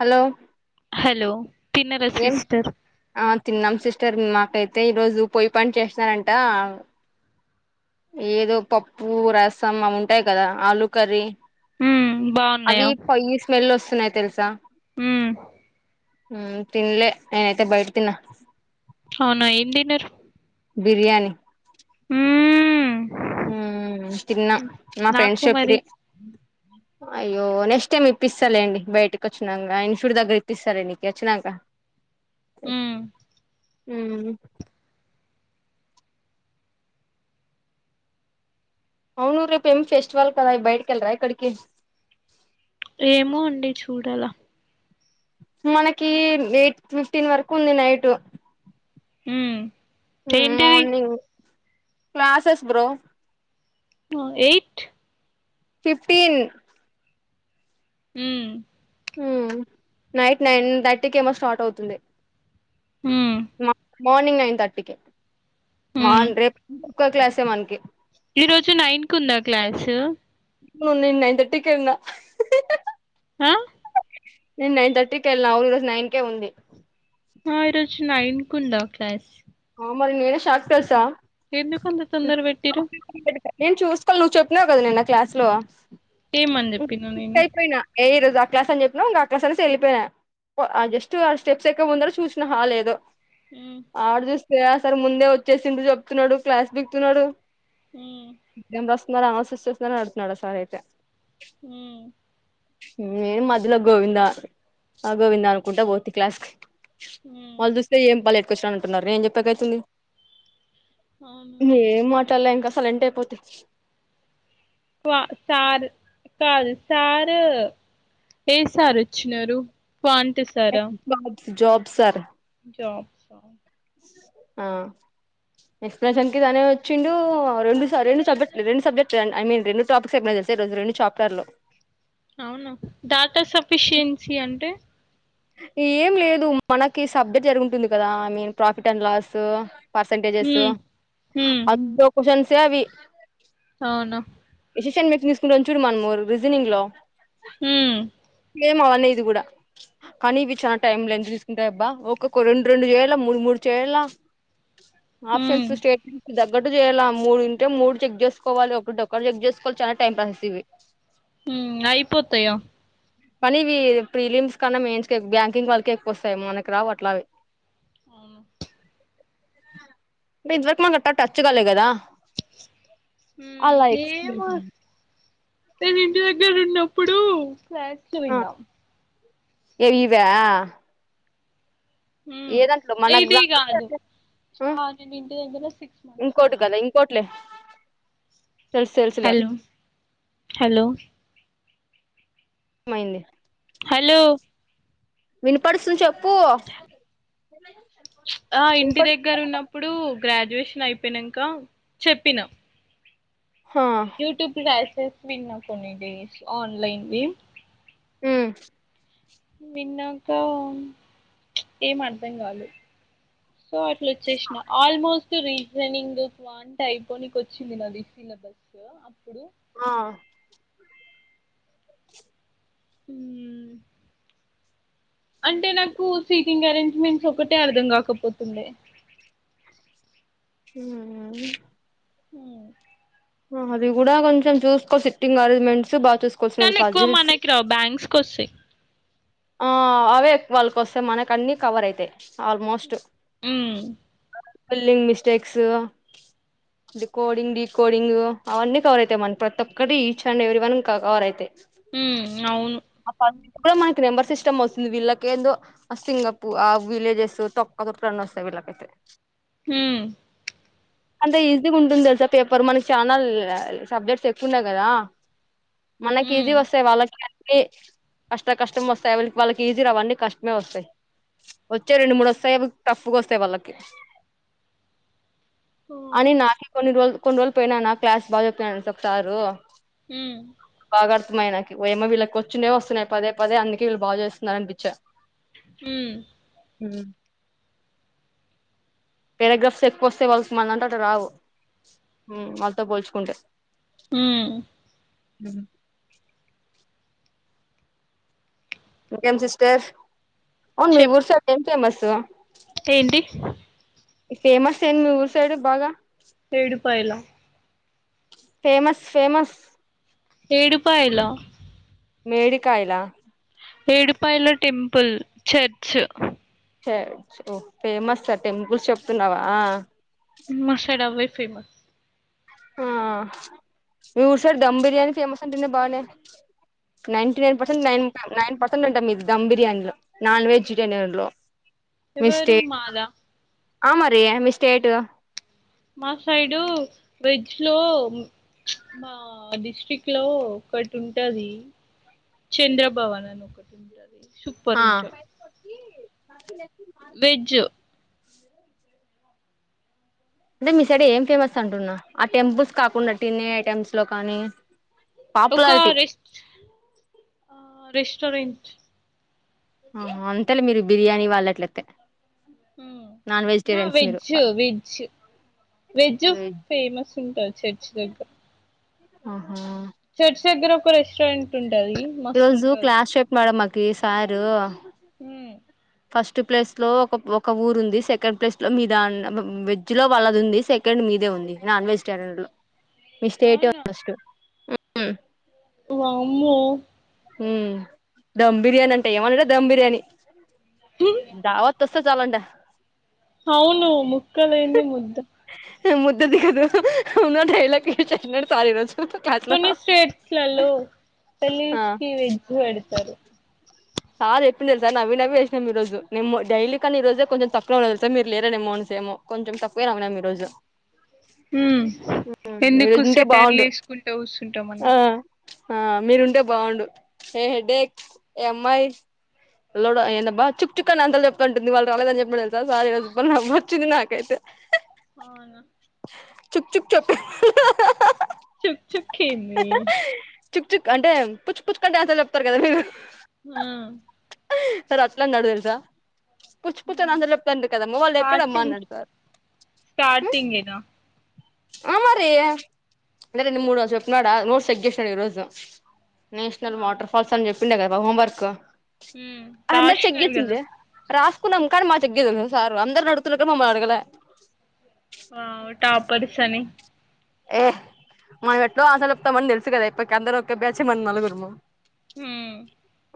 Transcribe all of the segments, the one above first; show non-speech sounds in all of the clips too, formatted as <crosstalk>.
hello hello తిన్నరా ఏం sister ఆ తిన్నాం సిస్టర్ నిమా అయితే ఈ రోజు పొయ్యి పని చేసినారంట ఏదో పప్పు రసం అవి ఉంటాయి కదా ఆలూ కర్రీ మ్మ్ బాగున్నాయా అవి పోయి స్మెల్ వస్తున్నాయి తెలుసా హ్మ్ మ్మ్ తిన్లే నేనైతే బయటా తిన్నా అవునా ఏం తిన్నారు బిర్యానీ మ్మ్ మ్మ్ తిన్నాం మా నాకు ఫ్రెండ్స్ మరి చెప్పిరి అయ్యో నెక్స్ట్ టైం ఇప్పిస్తా లెండి బయటకి వచ్చినాక ఇన్స్టిట్యూట్ దగ్గర ఇప్పస్తాడికి వచ్చినాక మ్మ్ మ్మ్ అవును రేపు ఏం ఫెస్టివల్ కదా బయటికి వెళ్లారా ఎక్కడికి ఏమో అండి చూడాల మనకి ఎయిట్ ఫిఫ్టీన్ వరకు ఉంది నైట్ మ్మ్ మ్మ్ ఏంటిది మార్నింగ్ క్లాసెస్ బ్రో ఆ ఎయిట్ ఫిఫ్టీన్ మ్మ్ మ్మ్ నైట్ నైన్ థర్టీకి ఏమో స్టార్ట్ అవుతుంది మ్మ్ మా మార్నింగ్ నైన్ థర్టీకి మాన్ రేప్ ఒక క్లాసే మనకి ఈ రోజు నైన్ కు ఉందా క్లాసు మొన్న నేను నైన్ థర్టీ వెళ్లిన ఆ నేను నైన్ థర్టీకి వెళ్లిన ఓ రోజు నైన్ కేే ఉంది ఆ ఈరోజు నైన్ కు ఉందా క్లాస్ ఆ మరి నేనే షాక్ తెలుసా ఎందుకు అంత తొందర పెటిరు నేను చూసుకోవాలి నువ్వు చెప్పినావు్ కదా నిన్న క్లాస్ లో ఏమని చెప్పిన నేను అయిపోయినా ఏ ఈ రజు క్లాస్ అ చెప్పినవుంక ఆ క్లాస్ అనేసి వెళ్ళపోయా జస్ట్ ఆ స్టెప్స్ ఎక్క ముందరు చూసినావ లేదో మ్మ్ ఆడ చూస్తే సార్ ముందే వచ్చేసిపుడు చెప్తున్నాడు క్లాస్ పికుతున్నాడు హ్మ్ మ ఆ సస్టర్స్ మ నడుతున్నాడు సార్ అయితే హ్మ్ నేను మధ్యలో గోవింద ఆ గోవింద అనుకుంటా పోతి క్లాస్ కి మ్మ్ వాళ్ళు చూస్తే ఏం పళ ఎట్టుకొచ్చా అంటున్నారు నేం చెప్పాక అయితుంది అవును మం మాటలా ఇంకా సలెంట్ అయిపోతా వా సార్ కాదు సార్ ఏ సార్ వచ్చినారు పాంటే సారా జాబ్ సర్ జబ్ స ఆ ఎక్స్ప్లషన్ కి తనే వచ్చిండు రెండు రెం సబ్జెక్ట్ రెం సబ్జెక్ట్ ఐ మీన్ రెండు టాపిక్స్ ఎన్ ఈరోజు రెండు చాప్టర్లు అవునా డాటా సఫిషియన్సీ అంటే ఏం లేదు మనకి సబ్జెక్ట్ జరుగుంటుంది కదా I mean profit and loss percentages హ్మ్ హ్మ్ అందులో క్వశ్చన్ సే అవి అవునా ఎసెషన్ మీక్ తీసుకుంటే చూడు మనము రీజనింగ్ లో హుమ్ సేమ్ అవనే ఇది కూడా కానీ ఇవి చాలా టైం లైన్త్ తీసుకుంటాయి అబ్బా ఒక్కొక్క రెండు రెండు చేయాల మూడు మూడు చేయాల హ్మ్ ఆప్షన్స్ స్టేట్మెంట్స్ ఒకట్టు చేయాల మూడుంటే మూడు చెక్ చేసుకోవాలి ఒకటి ఒక్క చెక్ చేసుకోవాలి చాలా టైం పాసేస్ ఇవి ఉమ్ అయిపోతాయ కానీ ఇవి ప్రీలియమ్స్ కన్నా మెయిన్స్కే బ్యాంకింగ్ వాళ్ళక ఎక్కువ వస్తాయి మనకి రావు అట్లావి అవును దింట్లోకి మనం ఇంకా టచ్ కాలేదు కదా అలా హ్మ్ ఎక్స్ ఏమో నేను ఇంటి దగ్గర ఉన్నప్పుడు ఫచ్ విన్నాం ఏ ఇవా ఏ ఉమ్ దాంట్లో మనకు ఇది దాంట్లో కాదు ఆ నేను ఇంటి దగ్గర సిక్స్ మంత్స్ ఇంకోటి ఉన్నా కదా ఇంకోటిలే తెలుసు తెలుసులే హలో హలో మయింది హలో వినపడుస్తుంది చెప్పు ఆ ఇంటి దగ్గర వినపడుతుందా ఉన్నప్పుడు గ్రాడ డ్యుయేషన్ అయిపోయినాక చెప్పినం ఆ యూట్యూబ్ ఫస్ నా కొని డేస్ ఆన్లైన్వి హ్మ్ విన్నాక ఏం అర్థం కాదు సో అట్లా వచ్చేసిన ఆల్మోస్ట్ రీజనింగ్ క్వాంట్ అయిపోనికి వచ్చింది నాది సిలబస్ అప్పుడు ఆ హ్మ్ అంటే నాకు సీటింగ్ అరేంజ్మెంట్స్ ఒకటే అర్థం కాకపోతుండే హ్మ్ హు అది కూడా కొంచెం చూసుకో సిట్టింగ్ అరేంజ్మెంట్స్ బా కానీ ఎక్కువ మనకి రావు బ్యాంక్స్ కోస్తాయి ఆ అవే వాళ్ళకి వస్తే మనకు అన్ని కవర్ అయితాయి ఆల్మోస్ట్ ఉమ్ స్పెల్లింగ్ మిస్టేక్స్ ఈ కోడింగ్ డీ కోడింగ్ అవన్నీ కవర్ అయితాయి మన ప్రతి ఒక్కటి each and every one cover అయితాయి హు అవును ఆ పజిల్స్ కూడా మనకి నెంబర్ సిస్టమ్ వస్తుంది వీళ్లకెందొ ఆ సింగపూ ఆ విలేజెస్ తొక్క తొక్క రన్న వస్తాయి వీళ్ళకైతే హుమ్మ్ అంటే ఈజీగా ఉంటుంది తెలుసా పేపర్ మనకి ఛానల్ సబ్జెక్ట్స్ ఎక్కువ ఉన్నాయి కదా మనకి ఏజీ మ్మ్ వస్తాయి వాళ్ళకి కష్ట కష్టం వస్తాయి వా వాళ్ళకి ఈజీ రావన్నీ కష్టమే వస్తాయి వచ్చే రెండు మూడు వస్తాయి టఫ్గా వస్తాయి వాళ్ళకి అని నాక కొన్ని రోజులు కొన్ని రోజులు పోయినానా క్లాస్ బాగా చెప్తుా చెప్తారు హ బాగర్తమయ నాకు ఏమో వీళ్ళకి కూర్చునేే వస్తున్నాయి పదే పద అందుకే వీళ్ు బాగా చేస్తున్నారనిపించారు హ పారాగ్రాఫ్స్ ఎక్కువ వస్తే వాళ్ళస మన అంటటటు రావు మళ్ళతో పోల్చుకుంటే హ అ కమ్ సిస్టర్ అవున్ చెప్ మీఊర్ సార్ ఏం ఫేమస్ ఏంటి ఫేమస్ ఏం మీ ఊరు సైడ్ బాగా తడుపాయలా ఫేమస్ ఫేమస్ ఏడుపాయలో మేడి కాయలా ఏడిపాయలో టెంపుల్ చర్చ ఫేమస్ టెంపుల్స్ చెప్తున్నావా మషాడబయి ఫేమస్ ఆ మీ ఉషారి దమ్ బిర్యానీ ఫేమస్ అంటన్న బానే నైన్టీ నైన్ పర్సెంట్ అది నైన్ నైన్ పర్సెంట్ ఉంటా మీ దమ్ బిర్యానీలో నాన్ వెజ్ బిర్యానీలో ఎవరు మాదా ఆమ ర మిస్టేయిట్ మా సైడు వెజ్ లో మా డిస్ట్రిక్ లో ఒకటి ఉంటది చంద్రభావాన నకటిాల సుపపర ఆ ఉ చ వెజు అంటే మీ సైడ ఏం ఫేమస్ అంటున్నా ఆ టెంపుల్స్ కాకుండా టిన్ని ఐటెమ్స్ లో కానీ ఒక పాపులారిటీ రెస్ రెస్టోారెంట్ అంతేలే మీరు బిర్యానీ వాళ్ళట్లయితే నాన్ నా వెజిటేరియన్స్ మీరు వెజ్ వెజ్ వెజ్ ఫేమస్ ఉంటంది చర్చి దగ్గర ఆహా చర్చ్ దగ్గర ఒక రెస్టారెంట్ ఉంది ఈరోోజు క్లాస్ చెెప్ మమ్మకి సారు హ ఫస్ట్ ప్లేస్ లో ఒక ఒక ఊరు ఉంది సెకండ్ ప్లేస్ లో మీద వెజ్ లో వాళ్ళది ఉంది సెకండ్ మీదే నాన్ వెజిటేరియన్ లో అవునా మీస్టస్ వామో ధమ్ బిర్యానీ అంటే ఏమంటార ధమ్ బిర్యానీ దావ చాలంంట అవును ముక్కలంది ముద్ద ముద్ద ద కాదు న యలా ప చ సారిలో చ కాట్లో కొన్ని కకి వెజ్ పెడతారు సార్ చెప్పి తె సార్ నవ నవేసినము ఈరోజ మేము డైలీ కానీ ఈ రజే కొంచె తక్కువ ఉండదు సార్ మీరు లేరాేమో ేమో కొంచెం తక్కువే ర ఉన్నాం ఈ రోజు హ మీరు ఎందుకు ఉంటే సెటర్లు బాగుండు వేసుకుంటే వస్తుంటాం మనం ఆ ఆ మీరుంటే బాగుండు ఏ హెడెక్ ఏ అమ్మాయి లోడ ఏందబ్బా చుక్ చుక్కా ఆన్సర్లు చెప్పటుంది వాళ్ళు రాలేదని చెప్పిన దెలుసా సార్ ఈ రోజు నవ్వు వచ్చింది నాకైతే అవునా చుక్ చుక్ చెప్పు హా హా హా హా చుక్ చుక్ ఏందీ చుక్ చుక్ అంటే పుచ్చు పుచ్చు కంటే ఆన్సర్లు చెప్తారు గదా మీరు ఆ వాడు అట్లనడు దెల్సా పుచ్చు పుచ్చు అని ఆన్సర్లు చెప్తారు కదమ్మ వాళ్ళు ఎక్కడమ్మ స్టార్టింగ్ అన్నాడు సార్ స్టార్టింగ్ గేదా ఆ మరి రెండుమూడు చెప్తునాడా నోట్స్ చెక్ చేసాడు ఈరోజు నేషనల్ వాటర్ ఫాల్స్ అని చెప్పిండే గదా హోంవర్క్ ఉమ్, అందరికి చెక్ రాసినారు కదా చేసిండు రాస్ కున్నాం కాని మాది చెక్ జేయలే సార్ అందరిని అడుగుతున్నడు గాని మమ్ముల అడుగలే ఆ టాపర్స్ అని ఏ మనం ఎట్లో ఆన్సర్లు చెప్తామని దెలుసు గదా ఎప్పటికి అందరం ఒకే బ్యాచ్ మన నలుగురము ఉమ్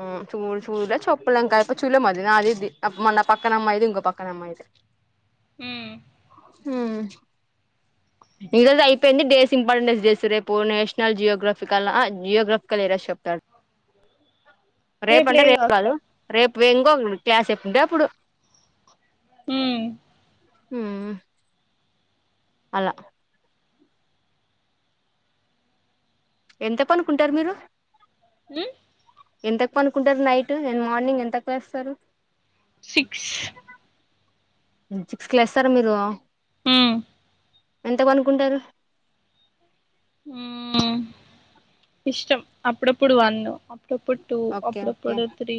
ఉమ్ చూ చూడలే చెప్పలే ఇంకా చూలే మాది నాది మన పక్కన అమ్మాయిది ఇంకో పక్కన అమ్మాయిది ఉమ్ ఉమ్ ఈ రోజై పెండి డేస్ ఇంపార్టెన్స్ జేస్తురు రేపు నేషనల్ జియోగ్రఫికల జియోగ్రఫికల్ ఏరస్ చెప్తారు రేపంటే లేదు రేపు కాదు అసలు రేపు వెంగో క్లాస్ ఎప్పుడుంటే అప్పుడు ఉమ్ ఉమ్ అలా ఎంత పనుకుంటారు మీరు ఉమ్ ఎంతకు పనుకుంటారు నైట్ అండ్ మార్నింగ్ ఎంతకు లేస్తారు సిక్స్ సిక్స్ కి లేస్తారు మీరు ఎంత పనుకుంటారు ఉమ్ ఇష్టం అప్పుడప్పుడు వన్ అప్పుడప్పుడు టూ అప్పుడప్పుడు త్రీ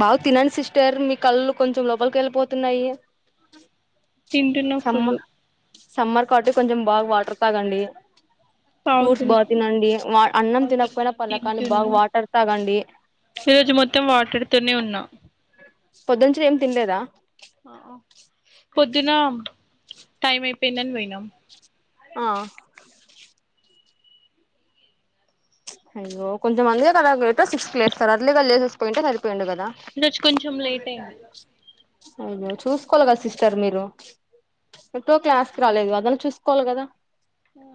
బాగు తినండి సిస్టర్ మీ కళ్ళు కొంచెం లోపలికి వెళ్ళిపోతున్నాయి తింటున్న ఫుల్లు సమ్మర్ సమ్మర్ కాటి కొంచెం బాగా వాటర్ తాగండి ఫ్రూట్స్ బాగా తాగుతున్నా తినండి అన్నం తాగుతున్నా తినకపోయినా పర్లేకాని బాగా తింటున్నా వాటర్ తాగండి ఈరోజు మొత్తం వాటర్ తోనే ఉన్నా పొద్ద నుంచి ఏం తినలేదా పొద్దున్న టైం అయిపోయిందని పోయినాం ఆ అయ్యో కొంచెం <unintelligible> సిక్స్ కి లేస్తరా అర్లీగా లేసేసిపోయింటే సరి ఈ రోజు కొంచెం లేట్ అయింది అవునా చూసుకోవాలి కదా సిస్టర్ మీరు ఏటో క్లాస్ కి రాలేదు అదన్నా చూసుకోవాలి గదా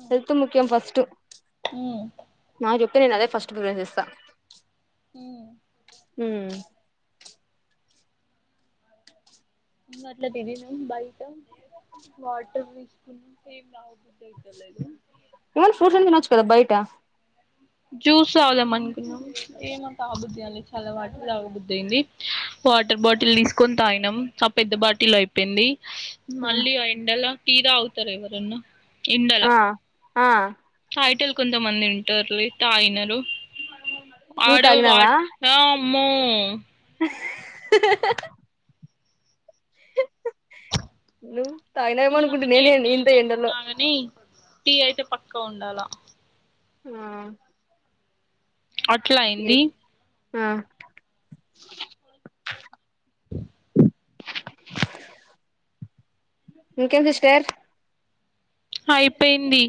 హెల్త్ ముఖ్యం ఫస్ట్ నా నేను అదే ఫస్ట్ ప్రిఫరెన్స్ ఇస్తా ఉమ్ ఉమ్ ఇ అట్లా తదను బయట వాటర్ తీసుకున్నా ఏేం రావదు ఏ ఫూ వచ్చు కదా బయట జూసవుద మనకు ఏ మ త బుద్ధ చాలా వాటి లాగబద్ద్దయింది వాటర్ బాటిల్ తీసుకొని తాగనం ఆ పెద్ద బాటిల్ అయిపోయింది మళ్ళీ ఆ ఎండల తీరా అవుతారు ఎవరన్నా ఎండల ఆ ఆ టైటల్ కొంతమంది ఉంటారు లే తాయినారు నువ్వు ఆడ వా తాగినావా మ ను కొంతమందికి ఎండలు ఏమున్నా కాని టీ అయితే పక్కా ఉండాలా ఆ అట్లా అయింది ఆ ఇంకేంత సిస్టర్ అయిపోయింది